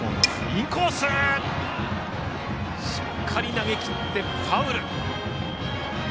インコースにしっかり投げきって、ファウル。